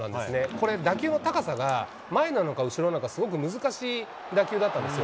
これ打球の高さが、前なのか、後ろなのか、すごく難しい打球だったんですよ。